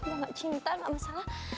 gue gak cinta gak masalah